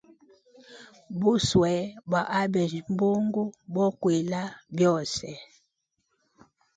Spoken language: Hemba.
Buswe bwa abejya mbungu bokwila byose.